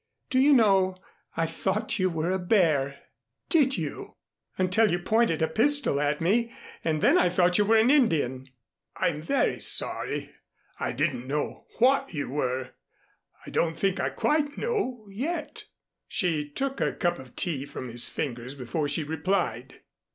"Do you know, I thought you were a bear." "Did you?" "Until you pointed a pistol at me and then I thought you were an Indian." "I'm very sorry. I didn't know what you were I don't think I quite know yet." She took the cup of tea from his fingers before she replied.